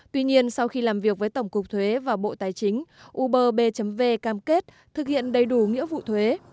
tuy nhiên sau khi làm việc với tổng cục thuế và bộ tài chính uber bv cam kết thực hiện đầy đủ nghĩa vụ thuế